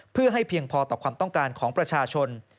เพื่อให้เพียงพอต่อความต้องการของประชาชน